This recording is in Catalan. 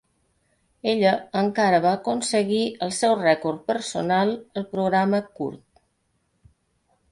Ella encara va aconseguir el seu record personal al programa curt.